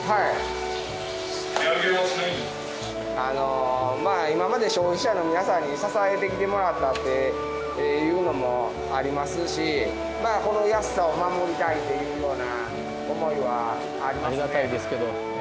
あのまあ今まで消費者の皆さんに支えてきてもらったっていうのもありますしこの安さを守りたいっていうような思いはありますね。